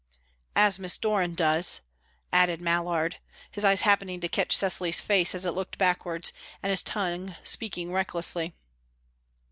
"As Miss Doran does," added Mallard, his eyes happening to catch Cecily's face as it looked backwards, and his tongue speaking recklessly.